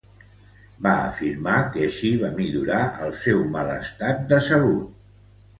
Va afirmar que així va millorar el seu mal estat de salut.